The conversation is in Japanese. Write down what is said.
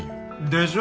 でしょ？